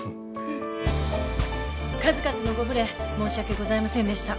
数々のご無礼申し訳ございませんでした。